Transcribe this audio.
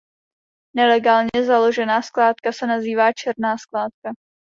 Nelegálně založená skládka se nazývá "černá skládka".